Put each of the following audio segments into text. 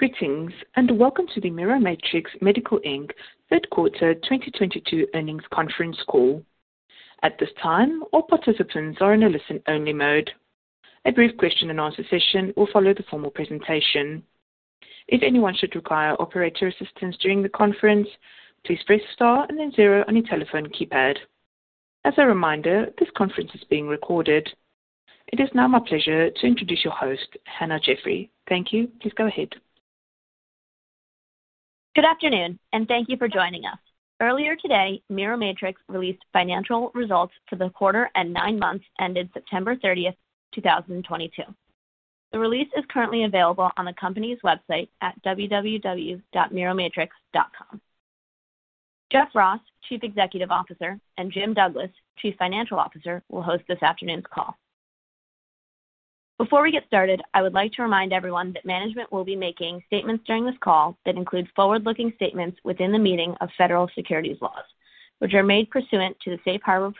Greetings, and welcome to the Miromatrix Medical Inc. Third Quarter 2022 Earnings Conference Call. At this time, all participants are in a listen-only mode. A brief question-and-answer session will follow the formal presentation. If anyone should require operator assistance during the conference, please press Star and then zero on your telephone keypad. As a reminder, this conference is being recorded. It is now my pleasure to introduce your host, Hannah Jeffrey. Thank you. Please go ahead. Good afternoon and thank you for joining us. Earlier today, Miromatrix released financial results for the quarter and nine months ended September 30, 2022. The release is currently available on the company's website at www.miromatrix.com. Jeff Ross, Chief Executive Officer, and Jim Douglas, Chief Financial Officer, will host this afternoon's call. Before we get started, I would like to remind everyone that management will be making statements during this call that include forward-looking statements within the meaning of federal securities laws, which are made pursuant to the safe harbor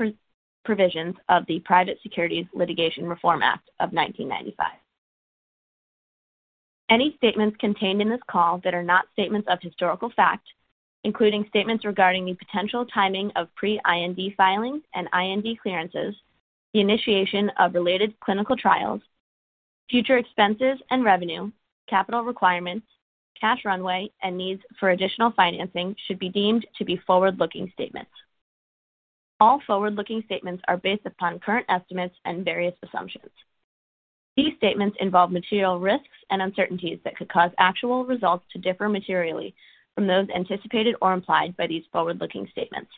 provisions of the Private Securities Litigation Reform Act of 1995. Any statements contained in this call that are not statements of historical fact, including statements regarding the potential timing of pre-IND filings and IND clearances, the initiation of related clinical trials, future expenses and revenue, capital requirements, cash runway and needs for additional financing, should be deemed to be forward-looking statements. All forward-looking statements are based upon current estimates and various assumptions. These statements involve material risks and uncertainties that could cause actual results to differ materially from those anticipated or implied by these forward-looking statements.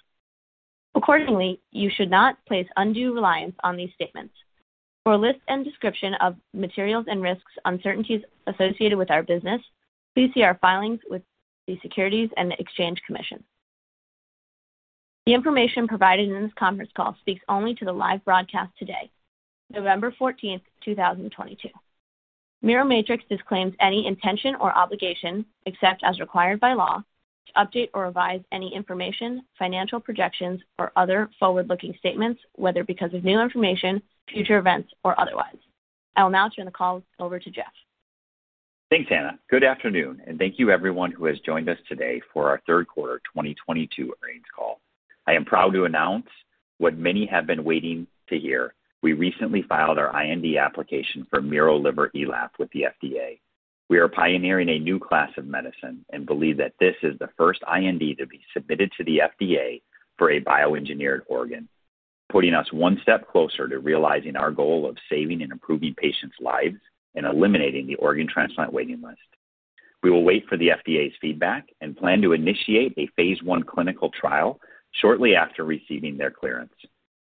Accordingly, you should not place undue reliance on these statements. For a list and description of material risks and uncertainties associated with our business, please see our filings with the Securities and Exchange Commission. The information provided in this conference call speaks only to the live broadcast today, November fourteenth, two thousand and twenty-two. Miromatrix disclaims any intention or obligation, except as required by law, to update or revise any information, financial projections or other forward-looking statements, whether because of new information, future events or otherwise. I will now turn the call over to Jeff. Thanks, Hannah. Good afternoon, and thank you everyone who has joined us today for our third quarter 2022 earnings call. I am proud to announce what many have been waiting to hear. We recently filed our IND application for miroliverELAP with the FDA. We are pioneering a new class of medicine and believe that this is the first IND to be submitted to the FDA for a bioengineered organ, putting us one step closer to realizing our goal of saving and improving patients' lives and eliminating the organ transplant waiting list. We will wait for the FDA's feedback and plan to initiate a phase 1 clinical trial shortly after receiving their clearance.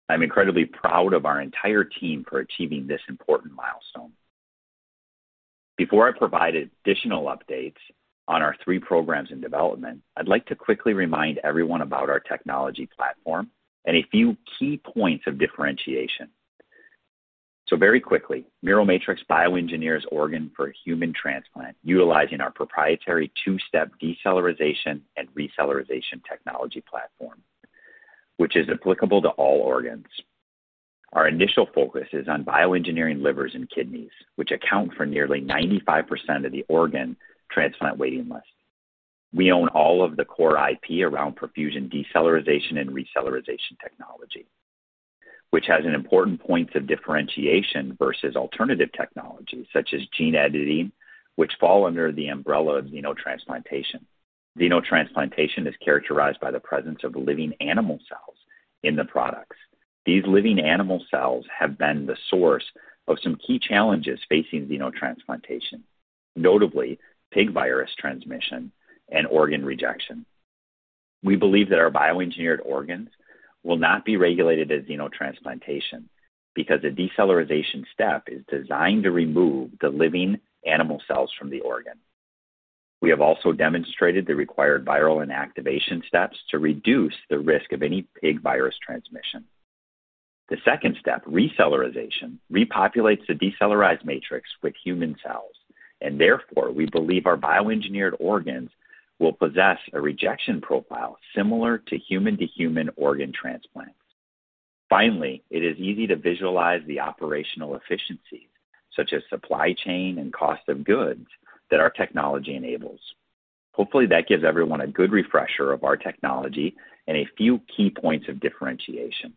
I'm incredibly proud of our entire team for achieving this important milestone. Before I provide additional updates on our three programs in development, I'd like to quickly remind everyone about our technology platform and a few key points of differentiation. Very quickly, Miromatrix bioengineers organ for human transplant utilizing our proprietary two-step decellularization and recellularization technology platform, which is applicable to all organs. Our initial focus is on bioengineering livers and kidneys, which account for nearly 95% of the organ transplant waiting list. We own all of the core IP around perfusion decellularization and recellularization technology, which has an important points of differentiation versus alternative technologies such as gene editing, which fall under the umbrella of xenotransplantation. Xenotransplantation is characterized by the presence of living animal cells in the products. These living animal cells have been the source of some key challenges facing xenotransplantation, notably pig virus transmission and organ rejection. We believe that our bioengineered organs will not be regulated as xenotransplantation because the decellularization step is designed to remove the living animal cells from the organ. We have also demonstrated the required viral inactivation steps to reduce the risk of any pig virus transmission. The second step, recellularization, repopulates the decellularized matrix with human cells, and therefore we believe our bioengineered organs will possess a rejection profile similar to human-to-human organ transplant. Finally, it is easy to visualize the operational efficiencies, such as supply chain and cost of goods, that our technology enables. Hopefully, that gives everyone a good refresher of our technology and a few key points of differentiation.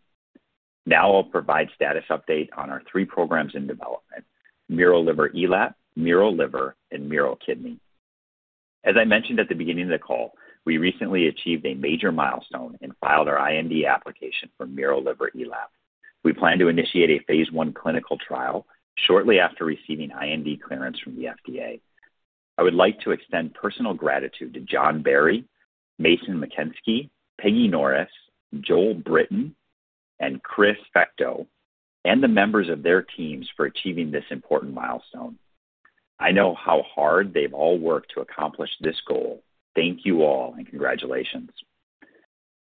Now I'll provide status update on our three programs in development, miroliverELAP, miroliver, and mirokidney. As I mentioned at the beginning of the call, we recently achieved a major milestone and filed our IND application for miroliverELAP. We plan to initiate a phase one clinical trial shortly after receiving IND clearance from the FDA. I would like to extend personal gratitude to John Barry, Mason Macenski, Peggy Norris, Joel Britton, and Chris Fecteau, and the members of their teams for achieving this important milestone. I know how hard they've all worked to accomplish this goal. Thank you all and congratulations.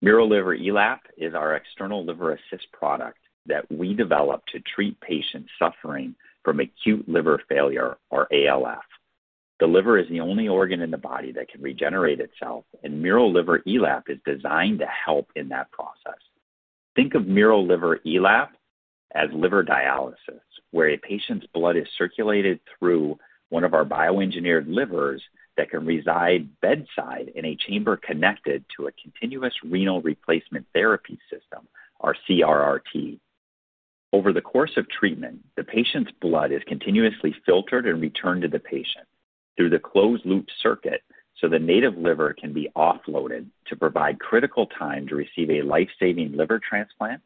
miroliverELAP is our external liver assist product that we developed to treat patients suffering from acute liver failure or ALF. The liver is the only organ in the body that can regenerate itself, and miroliverELAP is designed to help in that process. Think of miroliverELAP as liver dialysis, where a patient's blood is circulated through one of our bioengineered livers that can reside bedside in a chamber connected to a continuous renal replacement therapy system, or CRRT. Over the course of treatment, the patient's blood is continuously filtered and returned to the patient through the closed-loop circuit so the native liver can be offloaded to provide critical time to receive a life-saving liver transplant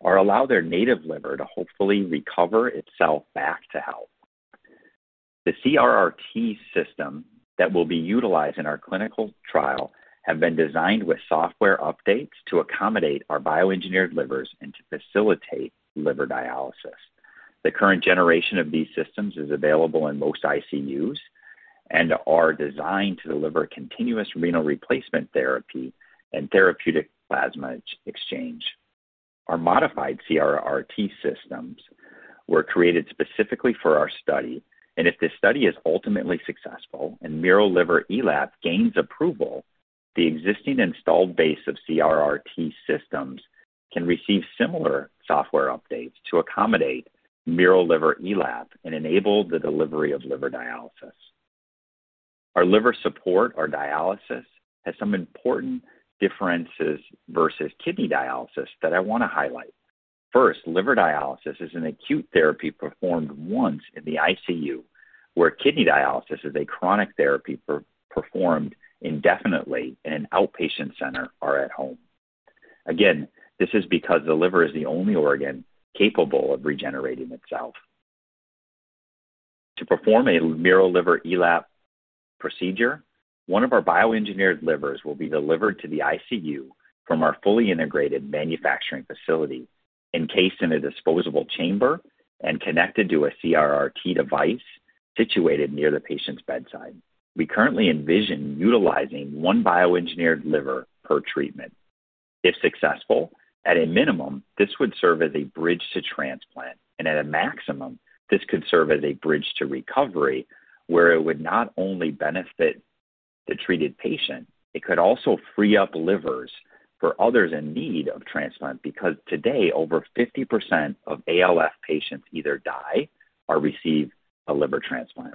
or allow their native liver to hopefully recover itself back to health. The CRRT system that will be utilized in our clinical trial have been designed with software updates to accommodate our bioengineered livers and to facilitate liver dialysis. The current generation of these systems is available in most ICUs and are designed to deliver continuous renal replacement therapy and therapeutic plasma exchange. Our modified CRRT systems were created specifically for our study, and if this study is ultimately successful and miroliverELAP gains approval, the existing installed base of CRRT systems can receive similar software updates to accommodate miroliverELAP and enable the delivery of liver dialysis. Our liver support, or dialysis, has some important differences versus kidney dialysis that I want to highlight. First, liver dialysis is an acute therapy performed once in the ICU, where kidney dialysis is a chronic therapy performed indefinitely in an outpatient center or at home. Again, this is because the liver is the only organ capable of regenerating itself. To perform a miroliverELAP procedure, one of our bioengineered livers will be delivered to the ICU from our fully integrated manufacturing facility, encased in a disposable chamber and connected to a CRRT device situated near the patient's bedside. We currently envision utilizing one bioengineered liver per treatment. If successful, at a minimum, this would serve as a bridge to transplant, and at a maximum, this could serve as a bridge to recovery, where it would not only benefit the treated patient, it could also free up livers for others in need of transplant because today, over 50% of ALF patients either die or receive a liver transplant.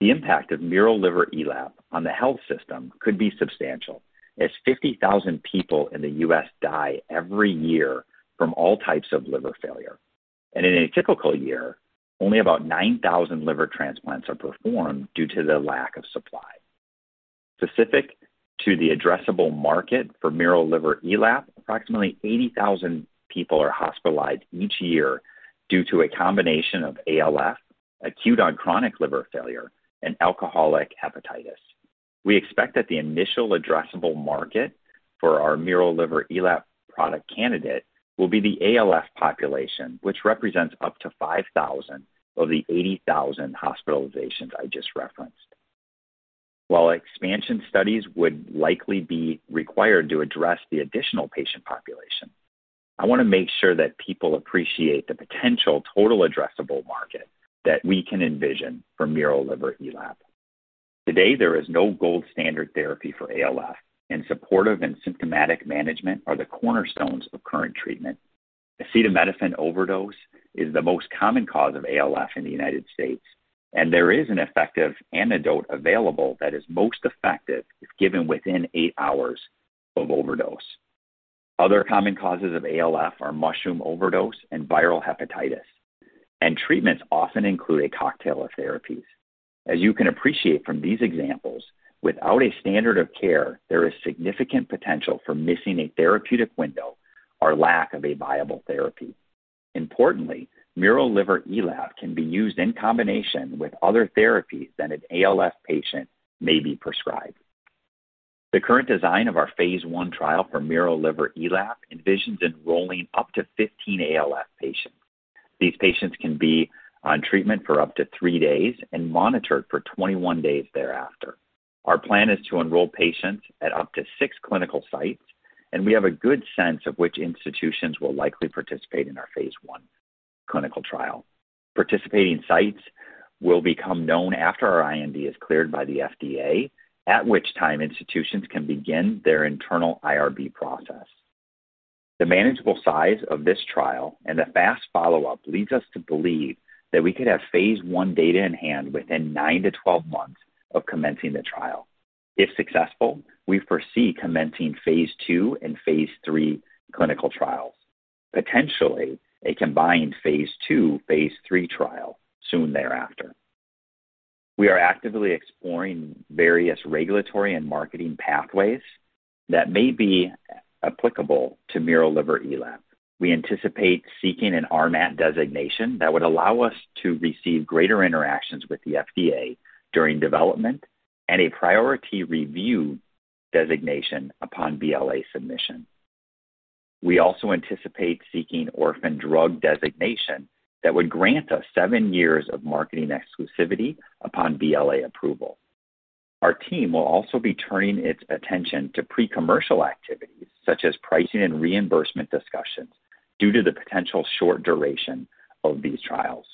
The impact of miroliverELAP on the health system could be substantial, as 50,000 people in the U.S. die every year from all types of liver failure. In a typical year, only about 9,000 liver transplants are performed due to the lack of supply. Specific to the addressable market for miroliverELAP, approximately 80,000 people are hospitalized each year due to a combination of ALF, acute-on-chronic liver failure, and alcoholic hepatitis. We expect that the initial addressable market for our miroliverELAP product candidate will be the ALF population, which represents up to 5,000 of the 80,000 hospitalizations I just referenced. While expansion studies would likely be required to address the additional patient population, I want to make sure that people appreciate the potential total addressable market that we can envision for miroliverELAP. Today, there is no gold standard therapy for ALF, and supportive and symptomatic management are the cornerstones of current treatment. Acetaminophen overdose is the most common cause of ALF in the United States, and there is an effective antidote available that is most effective if given within eight hours of overdose. Other common causes of ALF are mushroom overdose and viral hepatitis, and treatments often include a cocktail of therapies. As you can appreciate from these examples, without a standard of care, there is significant potential for missing a therapeutic window or lack of a viable therapy. Importantly, miroliverELAP can be used in combination with other therapies that an ALF patient may be prescribed. The current design of our phase 1 trial for miroliverELAP envisions enrolling up to 15 ALF patients. These patients can be on treatment for up to three days and monitored for 21 days thereafter. Our plan is to enroll patients at up to six clinical sites, and we have a good sense of which institutions will likely participate in our phase 1 clinical trial. Participating sites will become known after our IND is cleared by the FDA, at which time institutions can begin their internal IRB process. The manageable size of this trial and the fast follow-up leads us to believe that we could have phase I data in hand within 9-12 months of commencing the trial. If successful, we foresee commencing phase II and phase III clinical trials, potentially a combined phase II/phase III trial soon thereafter. We are actively exploring various regulatory and marketing pathways that may be applicable to miroliverELAP. We anticipate seeking an RMAT designation that would allow us to receive greater interactions with the FDA during development and a priority review designation upon BLA submission. We also anticipate seeking orphan drug designation that would grant us seven years of marketing exclusivity upon BLA approval. Our team will also be turning its attention to pre-commercial activities such as pricing and reimbursement discussions due to the potential short duration of these trials.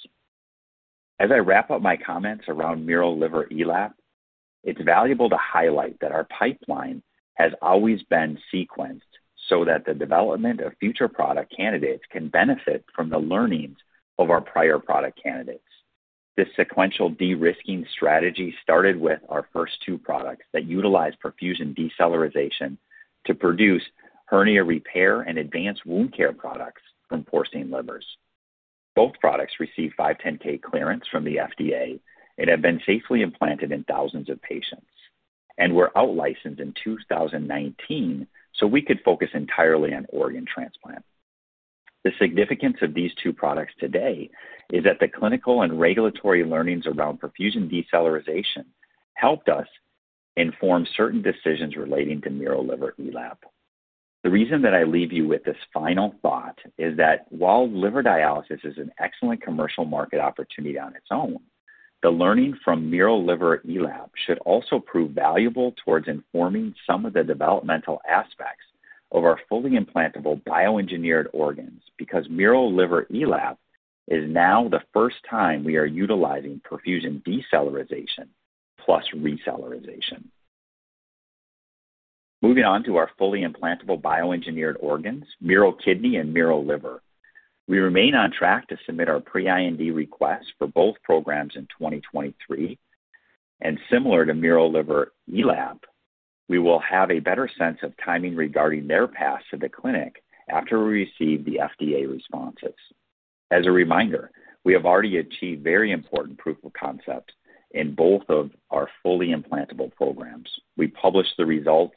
As I wrap up my comments around miroliverELAP, it's valuable to highlight that our pipeline has always been sequenced so that the development of future product candidates can benefit from the learnings of our prior product candidates. This sequential de-risking strategy started with our first two products that utilize perfusion decellularization to produce hernia repair and advanced wound care products from porcine livers. Both products received 510(k) clearance from the FDA and have been safely implanted in thousands of patients and were out-licensed in 2019 so we could focus entirely on organ transplant. The significance of these two products today is that the clinical and regulatory learnings around perfusion decellularization helped us inform certain decisions relating to miroliverELAP. The reason that I leave you with this final thought is that while liver dialysis is an excellent commercial market opportunity on its own, the learning from miroliverELAP should also prove valuable towards informing some of the developmental aspects of our fully implantable bioengineered organs because miroliverELAP is now the first time we are utilizing perfusion decellularization plus recellularization. Moving on to our fully implantable bioengineered organs, mirokidney and miroliver. We remain on track to submit our pre-IND request for both programs in 2023. Similar to miroliverELAP, we will have a better sense of timing regarding their path to the clinic after we receive the FDA responses. As a reminder, we have already achieved very important proof of concept in both of our fully implantable programs. We published the results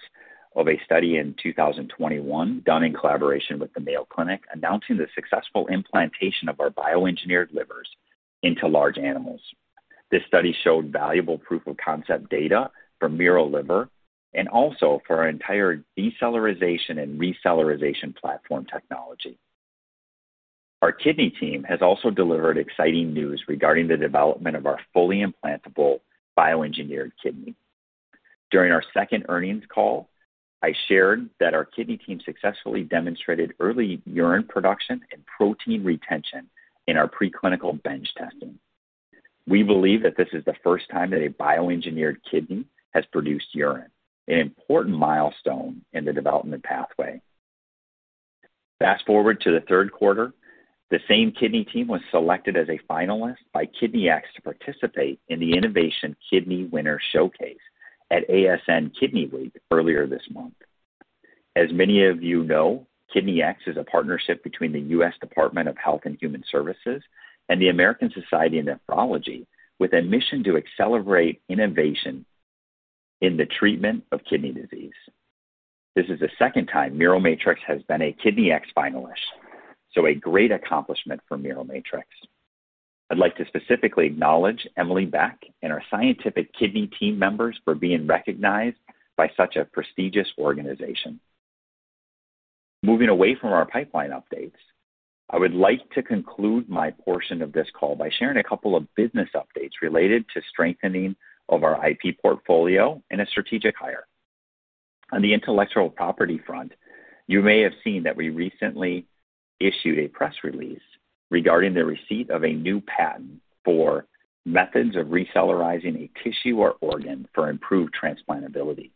of a study in 2021 done in collaboration with the Mayo Clinic, announcing the successful implantation of our bioengineered livers into large animals. This study showed valuable proof of concept data for miroliver and also for our entire decellularization and recellularization platform technology. Our kidney team has also delivered exciting news regarding the development of our fully implantable bioengineered kidney. During our second earnings call, I shared that our kidney team successfully demonstrated early urine production and protein retention in our preclinical bench testing. We believe that this is the first time that a bioengineered kidney has produced urine, an important milestone in the development pathway. Fast-forward to the third quarter, the same kidney team was selected as a finalist by KidneyX to participate in the KidneyX Innovators Showcase at ASN Kidney Week earlier this month. As many of you know, KidneyX is a partnership between the U.S. Department of Health and Human Services and the American Society of Nephrology with a mission to accelerate innovation in the treatment of kidney disease. This is the second time Miromatrix has been a KidneyX finalist, so a great accomplishment for Miromatrix. I'd like to specifically acknowledge Emily Beck and our scientific kidney team members for being recognized by such a prestigious organization. Moving away from our pipeline updates, I would like to conclude my portion of this call by sharing a couple of business updates related to strengthening of our IP portfolio and a strategic hire. On the intellectual property front, you may have seen that we recently issued a press release regarding the receipt of a new patent for methods of recellularizing a tissue or organ for improved transplantability.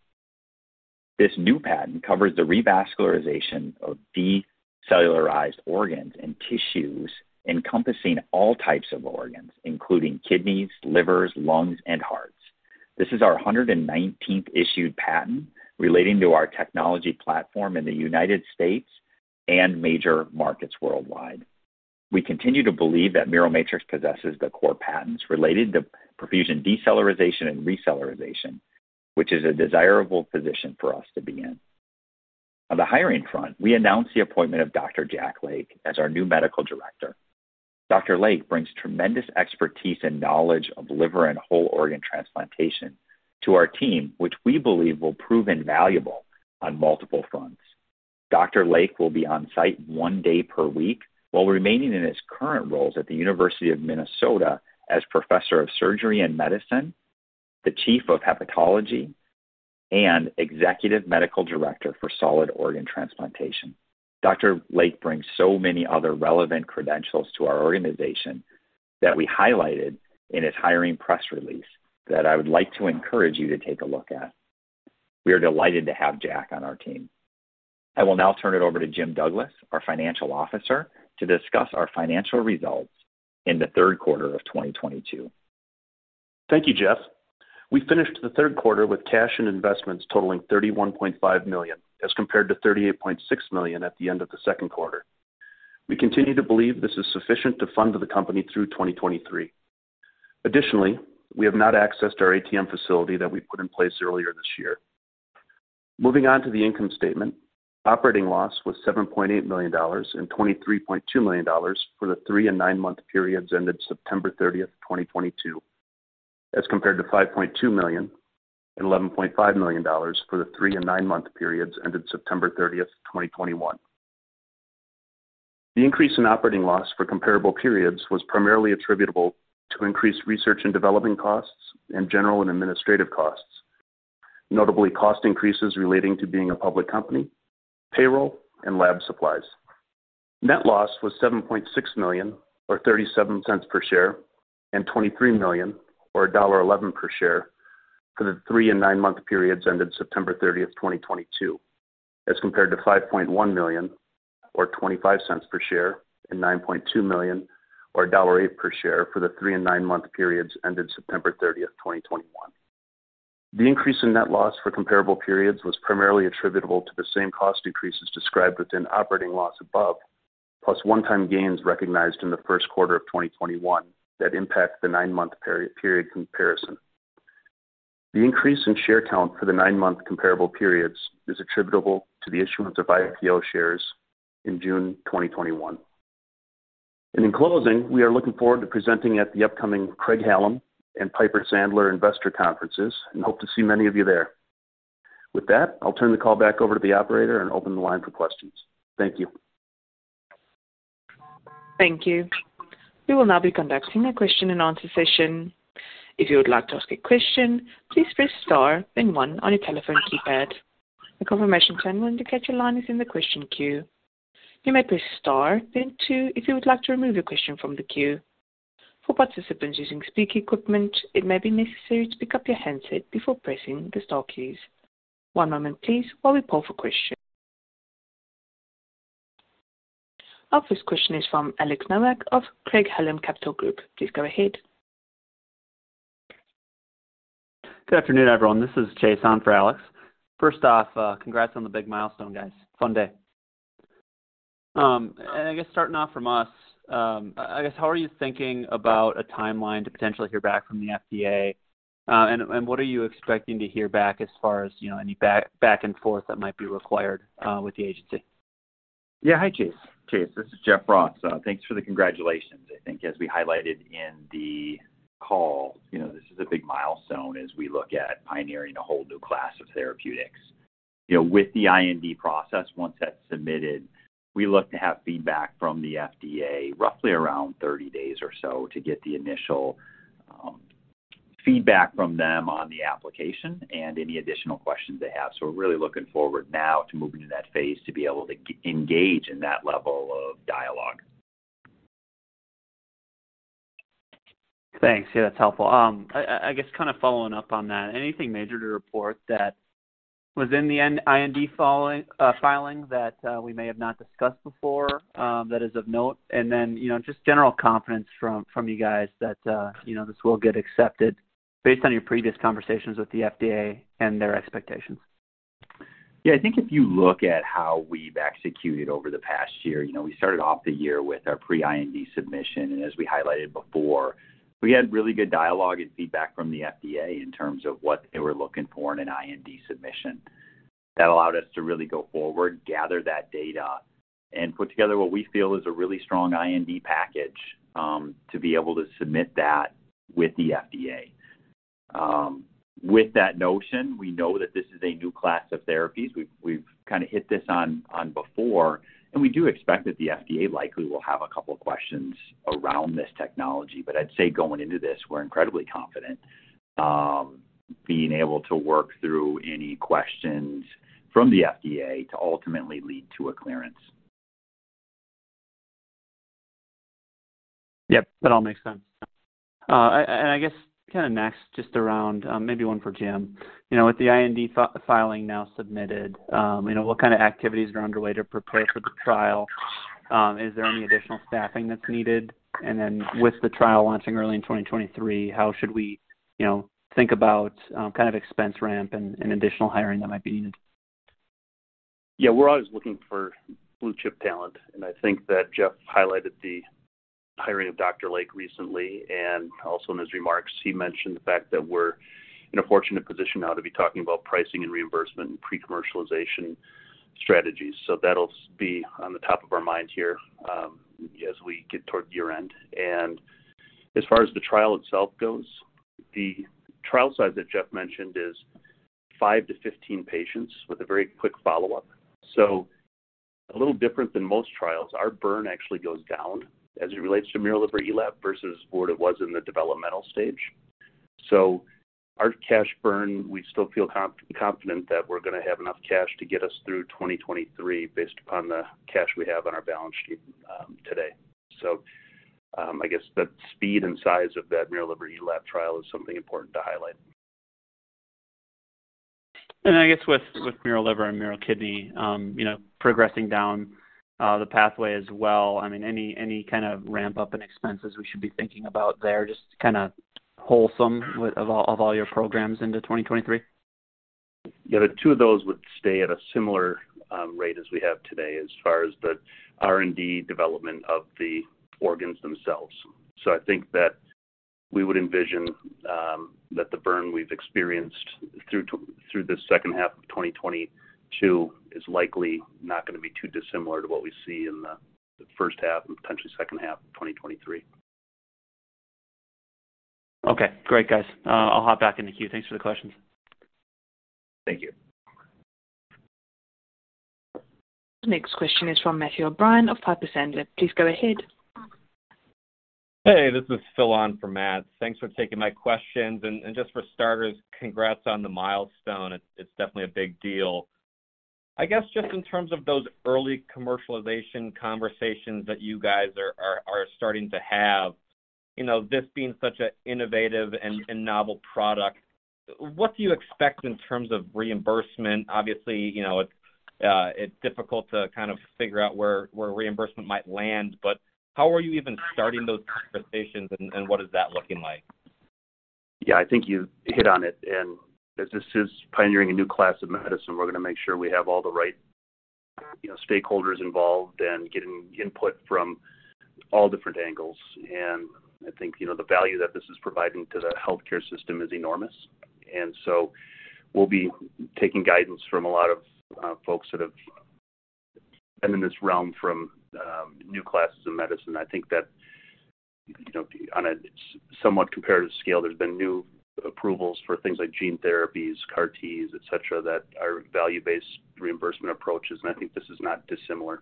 This new patent covers the revascularization of decellularized organs and tissues encompassing all types of organs, including kidneys, livers, lungs, and hearts. This is our 119th issued patent relating to our technology platform in the United States and major markets worldwide. We continue to believe that Miromatrix possesses the core patents related to perfusion decellularization and recellularization, which is a desirable position for us to be in. On the hiring front, we announced the appointment of Dr. Jack Lake as our new Medical Director. Dr. Lake brings tremendous expertise and knowledge of liver and whole organ transplantation to our team, which we believe will prove invaluable on multiple fronts. Dr. Lake will be on site one day per week while remaining in his current roles at the University of Minnesota as professor of surgery and medicine, the chief of hepatology, and executive medical director for solid organ transplantation. Dr. Lake brings so many other relevant credentials to our organization that we highlighted in his hiring press release that I would like to encourage you to take a look at. We are delighted to have Jack on our team. I will now turn it over to Jim Douglas, our Financial Officer, to discuss our financial results in the third quarter of 2022. Thank you, Jeff. We finished the third quarter with cash and investments totaling $31.5 million, as compared to $38.6 million at the end of the second quarter. We continue to believe this is sufficient to fund the company through 2023. Additionally, we have not accessed our ATM facility that we put in place earlier this year. Moving on to the income statement, operating loss was $7.8 million and $23.2 million for the three- and nine-month periods ended September 30, 2022, as compared to $5.2 million and $11.5 million for the three- and nine-month periods ended September 30, 2021. The increase in operating loss for comparable periods was primarily attributable to increased research and development costs and general and administrative costs. Notably, cost increases relating to being a public company, payroll, and lab supplies. Net loss was $7.6 million or $0.37 per share, and $23 million or $1.11 per share for the three and nine-month periods ended September 30, 2022, as compared to $5.1 million or $0.25 per share, and $9.2 million or $1.08 per share for the three and nine-month periods ended September 30, 2021. The increase in net loss for comparable periods was primarily attributable to the same cost increases described within operating loss above, plus one-time gains recognized in the first quarter of 2021 that impact the nine-month period comparison. The increase in share count for the nine-month comparable periods is attributable to the issuance of IPO shares in June 2021. In closing, we are looking forward to presenting at the upcoming Craig-Hallum and Piper Sandler investor conferences, and hope to see many of you there. With that, I'll turn the call back over to the operator and open the line for questions. Thank you. Thank you. We will now be conducting a question-and-answer session. If you would like to ask a question, please press star then one on your telephone keypad. A confirmation tone will indicate your line is in the question queue. You may press star then two if you would like to remove your question from the queue. For participants using speaker equipment, it may be necessary to pick up your handset before pressing the star keys. One moment please while we poll for questions. Our first question is from Alex Nowak of Craig-Hallum Capital Group. Please go ahead. Good afternoon, everyone. This is Chase on for Alex. First off, congrats on the big milestone, guys. Fun day. I guess starting off from us, I guess how are you thinking about a timeline to potentially hear back from the FDA? What are you expecting to hear back as far as, you know, any back and forth that might be required with the agency? Yeah. Hi, Chase. Chase, this is Jeff Ross. Thanks for the congratulations. I think as we highlighted in the call, you know, this is a big milestone as we look at pioneering a whole new class of therapeutics. You know, with the IND process, once that's submitted, we look to have feedback from the FDA roughly around 30 days or so to get the initial feedback from them on the application and any additional questions they have. We're really looking forward now to moving to that phase to be able to engage in that level of dialogue. Thanks. Yeah, that's helpful. I guess kind of following up on that, anything major to report that was in the IND filing that we may have not discussed before that is of note? You know, just general confidence from you guys that you know, this will get accepted based on your previous conversations with the FDA and their expectations. Yeah. I think if you look at how we've executed over the past year, you know, we started off the year with our pre-IND submission, and as we highlighted before, we had really good dialogue and feedback from the FDA in terms of what they were looking for in an IND submission. That allowed us to really go forward, gather that data, and put together what we feel is a really strong IND package to be able to submit that with the FDA. With that notion, we know that this is a new class of therapies. We've kinda hit this on before, and we do expect that the FDA likely will have a couple questions around this technology. But I'd say going into this, we're incredibly confident being able to work through any questions from the FDA to ultimately lead to a clearance. Yep, that all makes sense. And I guess kinda next, just around, maybe one for Jim. You know, with the IND filing now submitted, you know, what kind of activities are underway to prepare for the trial? Is there any additional staffing that's needed? And then with the trial launching early in 2023, how should we, you know, think about, kind of expense ramp and additional hiring that might be needed? Yeah, we're always looking for blue-chip talent, and I think that Jeff highlighted the hiring of Dr. Lake recently, and also in his remarks, he mentioned the fact that we're in a fortunate position now to be talking about pricing and reimbursement and pre-commercialization strategies. That'll be on the top of our minds here as we get toward year-end. As far as the trial itself goes, the trial size that Jeff mentioned is 5-15 patients with a very quick follow-up. A little different than most trials. Our burn actually goes down as it relates to miroliverELAP versus what it was in the developmental stage. Our cash burn, we still feel confident that we're gonna have enough cash to get us through 2023 based upon the cash we have on our balance sheet today. I guess the speed and size of that miroliverELAP trial is something important to highlight. I guess with miroliver and mirokidney, you know, progressing down the pathway as well, I mean, any kind of ramp-up in expenses we should be thinking about there, just kind of whole sum of all your programs into 2023? Yeah. The two of those would stay at a similar rate as we have today as far as the R&D development of the organs themselves. I think that we would envision that the burn we've experienced through the second half of 2022 is likely not gonna be too dissimilar to what we see in the first half and potentially second half of 2023. Okay. Great, guys. I'll hop back in the queue. Thanks for the questions. Thank you. The next question is from Matthew O'Brien of Piper Sandler. Please go ahead. Hey, this is Phil on for Matt. Thanks for taking my questions. Just for starters, congrats on the milestone. It's definitely a big deal. I guess just in terms of those early commercialization conversations that you guys are starting to have, you know, this being such an innovative and novel product, what do you expect in terms of reimbursement? Obviously, you know, it's difficult to kind of figure out where reimbursement might land, but how are you even starting those conversations and what is that looking like? Yeah, I think you hit on it. As this is pioneering a new class of medicine, we're going to make sure we have all the right, you know, stakeholders involved and getting input from all different angles. I think, you know, the value that this is providing to the healthcare system is enormous. We'll be taking guidance from a lot of folks that have been in this realm from new classes of medicine. I think that, you know, on a somewhat comparative scale, there's been new approvals for things like gene therapies, CAR-T, et cetera, that are value-based reimbursement approaches, and I think this is not dissimilar.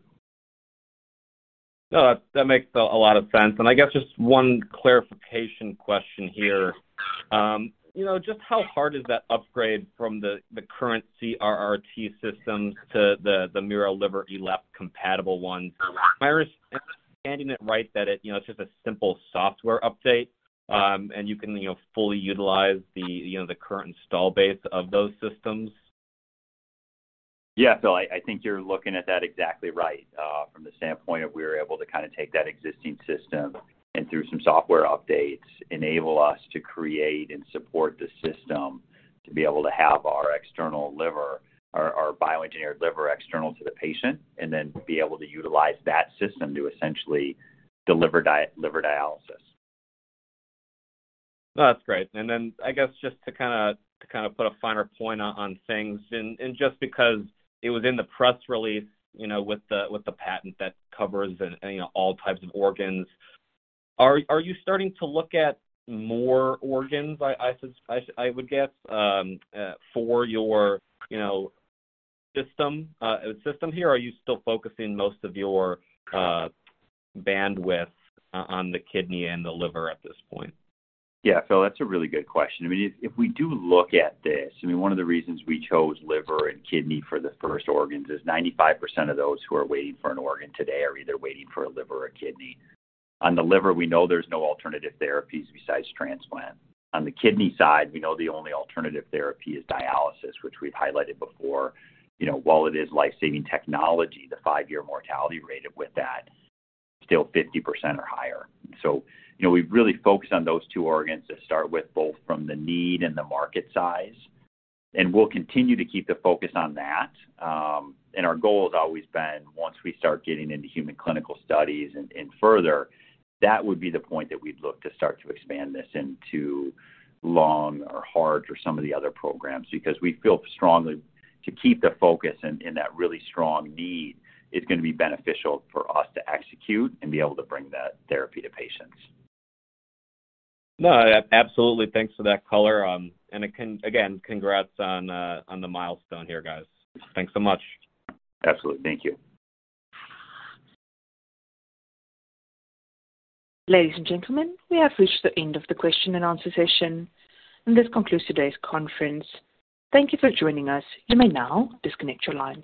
No, that makes a lot of sense. I guess just one clarification question here. You know, just how hard is that upgrade from the current CRRT systems to the miroliverELAP-compatible ones? Am I understanding it right that it, you know, it's just a simple software update, and you can, you know, fully utilize the, you know, the current install base of those systems? I think you're looking at that exactly right, from the standpoint of we were able to kind of take that existing system and, through some software updates, enable us to create and support the system to be able to have our external liver or our bioengineered liver external to the patient and then be able to utilize that system to essentially deliver liver dialysis. That's great. Then I guess just to kinda put a finer point on things, and just because it was in the press release, you know, with the patent that covers, you know, all types of organs. Are you starting to look at more organs? I would guess for your you know system here. Are you still focusing most of your bandwidth on the kidney and the liver at this point? Yeah. Phil, that's a really good question. I mean, if we do look at this, I mean, one of the reasons we chose liver and kidney for the first organs is 95% of those who are waiting for an organ today are either waiting for a liver or kidney. On the liver, we know there's no alternative therapies besides transplant. On the kidney side, we know the only alternative therapy is dialysis, which we've highlighted before. You know, while it is life-saving technology, the five-year mortality rate with that is still 50% or higher. You know, we've really focused on those two organs to start with, both from the need and the market size. We'll continue to keep the focus on that. our goal has always been, once we start getting into human clinical studies and further, that would be the point that we'd look to start to expand this into lung or heart or some of the other programs. Because we feel strongly to keep the focus in that really strong need is going to be beneficial for us to execute and be able to bring that therapy to patients. No, absolutely. Thanks for that color. Again, congrats on the milestone here, guys. Thanks so much. Absolutely. Thank you. Ladies and gentlemen, we have reached the end of the question-and-answer session. This concludes today's conference. Thank you for joining us. You may now disconnect your lines.